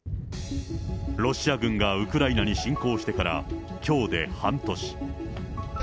ロシア軍がウクライナに侵攻してからきょうで半年。